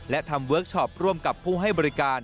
และทำเวิร์คชอปร่วมกับผู้ให้บริการ